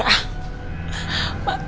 saya juga mau tidur